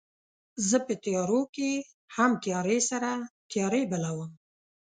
زه په تیارو کې هم تیارې سره تیارې بلوم